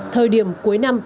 thời điểm cuối năm